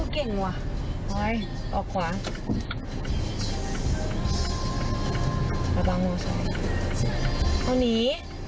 เอาหนี